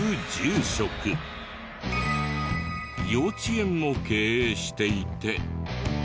幼稚園も経営していて。